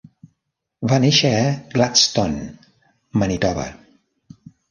Va néixer a Gladstone, Manitoba.